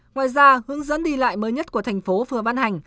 ngoài ra hướng dẫn đi lại mới nhất của thành phố vừa ban hành